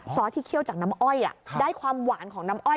ซอสที่เคี่ยวจากน้ำอ้อยได้ความหวานของน้ำอ้อย